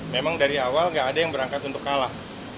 memang dari awal gak ada yang berangkat untuk kalah